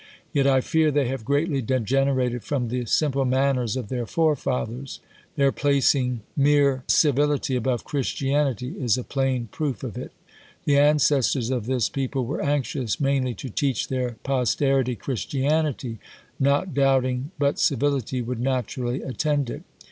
Yet I fear they have greatly degenerated from the simple manners of their forefathers. Their placing mere civility above Christianity is a plain proof of it. The ancestors of this people were anxious mainly to teach their posterity Christianity, not doubt ing but civility would naturally attend it.